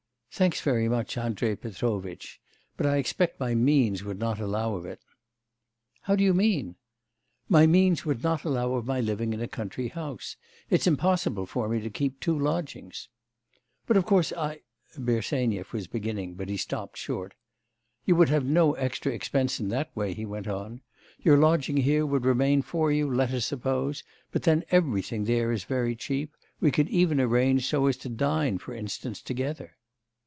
'Thanks very much, Andrei Petrovitch; but I expect my means would not allow of it.' 'How do you mean?' 'My means would not allow of my living in a country house. It's impossible for me to keep two lodgings.' 'But of course I' Bersenyev was beginning, but he stopped short. 'You would have no extra expense in that way,' he went on. 'Your lodging here would remain for you, let us suppose; but then everything there is very cheap; we could even arrange so as to dine, for instance, together.